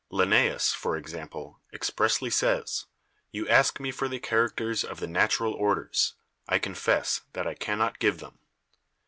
"Linnasus, for example, expressly says, 'You ask me for the characters of the natural orders ; I confess that I can not give them.'